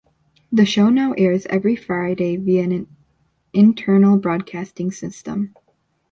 The show now airs every Friday via an internal broadcasting system.